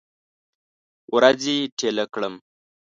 ورځې ټیله کړم